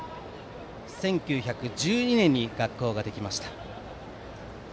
１９１２年に学校ができました。